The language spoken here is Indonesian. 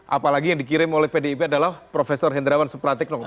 apalagi yang dikirim oleh pdib adalah prof hendrawan suprateknol